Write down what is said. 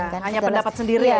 hanya pendapat sendiri aja